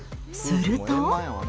すると。